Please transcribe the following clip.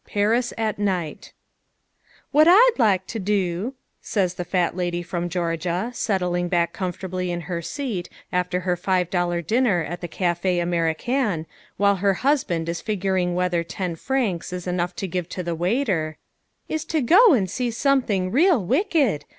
] V. Paris at Night "WHAT Ah'd like to do," says the Fat Lady from Georgia, settling back comfortably in her seat after her five dollar dinner at the Café American, while her husband is figuring whether ten francs is enough to give to the waiter, "is to go and see something real wicked.